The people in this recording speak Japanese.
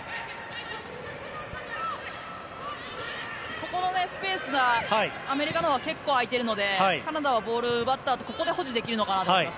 ここのスペースがアメリカのほうが結構空いているのでカナダはボールを奪ったあとここで保持できると思います。